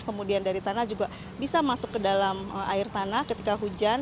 kemudian dari tanah juga bisa masuk ke dalam air tanah ketika hujan